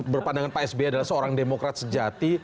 berpandangan pak sby adalah seorang demokrat sejati